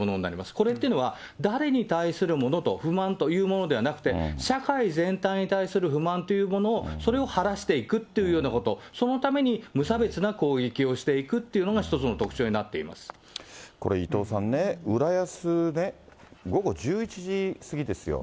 それっていうのは誰に対するものと、不満というものではなくて、社会全体に対する不満というものを、それを晴らしていくっていうようなこと、そのために無差別な攻撃をしていくっていうのが一つの特徴になっこれ、伊藤さんね、浦安ね、午後１１時過ぎですよ。